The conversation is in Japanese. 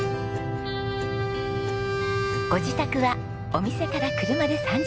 ご自宅はお店から車で３０分ほど。